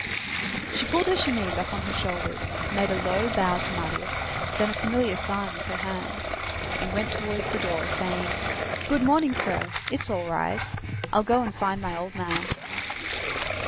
She pulled her chemise up on her shoulders, made a low bow to Marius, then a familiar sign with her hand, and went towards the door, saying:— "Good morning, sir. It's all right. I'll go and find my old man."